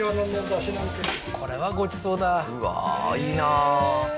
これはごちそうだうわーいいなあ